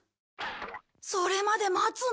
それまで待つの？